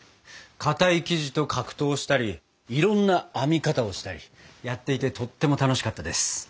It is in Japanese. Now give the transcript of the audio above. かたい生地と格闘したりいろんな編み方をしたりやっていてとっても楽しかったです。